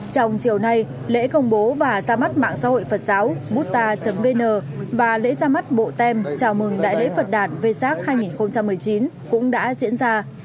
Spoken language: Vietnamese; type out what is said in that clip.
trong chiều nay lễ công bố và ra mắt mạng xã hội phật giáo butta vn và lễ ra mắt bộ tem chào mừng đại lễ phật đạn về sát hai nghìn một mươi chín cũng đã diễn ra